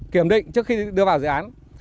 kiểm định trước khi đưa vào dự án